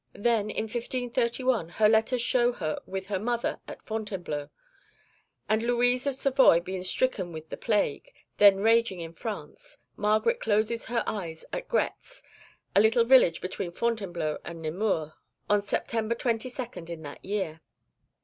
Then in 1531 her letters show her with her mother at Fontainebleau; and Louise of Savoy being stricken with the plague, then raging in France, Margaret closes her eyes at Gretz, a little village between Fontainebleau and Nemours, on September 22nd in that year.